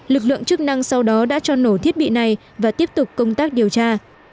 lực lượng chức năng sau đó đã cho nổ thiết bị này và tiếp tục công tác điều tra